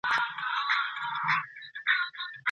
زه ستاسو په ډيرښت وياړم.